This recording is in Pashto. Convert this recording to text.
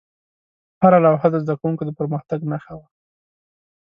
هره لوحه د زده کوونکو د پرمختګ نښه وه.